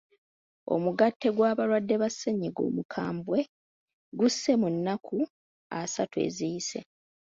Omugatte gw'abalwadde ba ssennyiga omukambwe gussee mu nnnaku essatu eziyise.